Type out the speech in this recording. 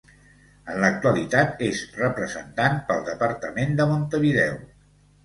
En l'actualitat és representant pel departament de Montevideo.